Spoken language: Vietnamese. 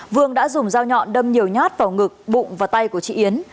vương đã dùng dao nhọn đâm nhiều nhát vào ngực bụng và tay của chị yến